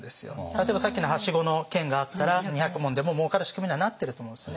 例えばさっきのはしごの件があったら２００文でももうかる仕組みにはなってると思うんですね。